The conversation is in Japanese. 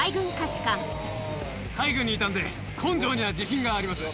海軍にいたんで、根性には自信があります。